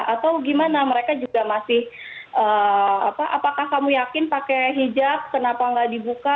atau gimana mereka juga masih apakah kamu yakin pakai hijab kenapa nggak dibuka